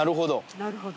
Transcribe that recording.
なるほど。